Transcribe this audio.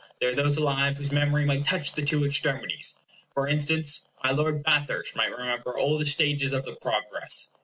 There are those alive whose memory might touch the two extremities. For instance, my Lord Bathurst might remember all the stages of the progress.